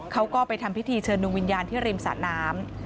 เขาก็ไปทำพิธีเชิญดวงวิญญาณที่ริมสระน้ำ